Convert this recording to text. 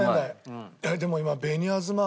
でも今。